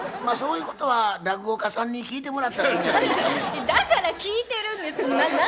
まあそういうことは落語家さんに聞いてもらったらいいんじゃないですかね。